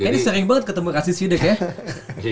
kayaknya sering banget ketemu rasid sidek ya